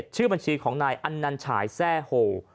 ๐๔๐๒๒๒๘๗๒๗ชื่อบัญชีของนายอันนันฉายแทร่โฮ